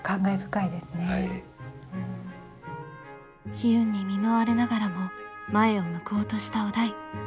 悲運に見舞われながらも前を向こうとした於大。